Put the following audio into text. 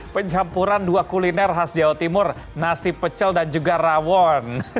pencampuran dua kuliner khas jawa timur nasi pecel dan juga rawon